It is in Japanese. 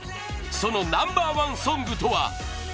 そのナンバー１ソングとは？